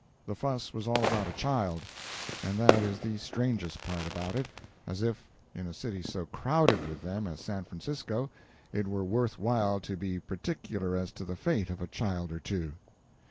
The fuss was all about a child, and that is the strangest part about it—as if, in a city so crowded with them as San Francisco, it were worth while to be particular as to the fate of a child or two.